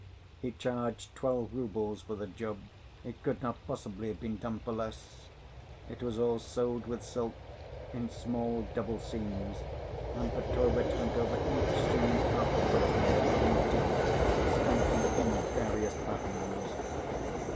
He charged twelve rubles for the job, it could not possibly have been done for less. It was all sewed with silk, in small, double seams; and Petrovitch went over each seam afterwards with his own teeth, stamping in various patterns.